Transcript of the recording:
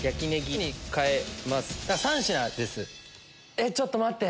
えっちょっと待って！